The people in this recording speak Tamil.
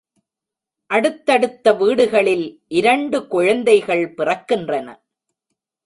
அடுத்தடுத்த வீடுகளில் இரண்டு குழந்தைகள் பிறக்கின்றன.